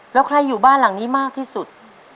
แล้วใครอยู่บ้านหลังนี้มากที่สุด